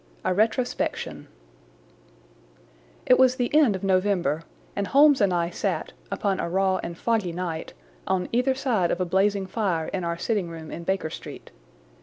A Retrospection It was the end of November, and Holmes and I sat, upon a raw and foggy night, on either side of a blazing fire in our sitting room in Baker Street.